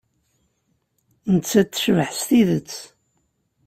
Nettat tecbeḥ s tidet.